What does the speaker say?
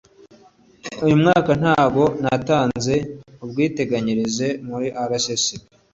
uyu mwaka ntago natanze ubwiteganyirize muri rssb